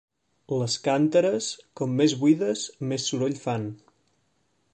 Les cànteres com més buides més soroll fan.